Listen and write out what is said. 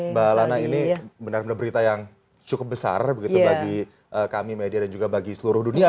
mbak lana ini benar benar berita yang cukup besar begitu bagi kami media dan juga bagi seluruh dunia